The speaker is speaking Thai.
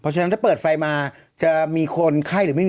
สำคัญเนอะ